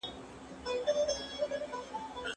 زه پرون د سبا لپاره د ليکلو تمرين کوم..